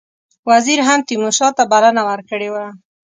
وزیر هم تیمورشاه ته بلنه ورکړې وه.